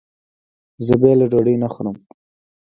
زه بېله ډوډۍ نه خورم.